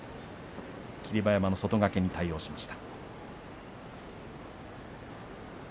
霧馬山の外掛けに対応しました。